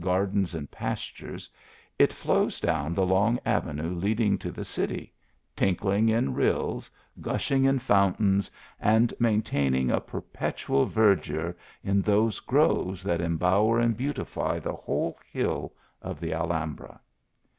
gardens and pastures, it flows down the long avv.;. a e leading to the city, tinkling in rills, gushing in foun tains, and maintaining a perpetual verdure in those groves that embower and beautify the whole hiil of the Aihambra.